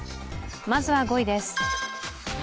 まずは５位です。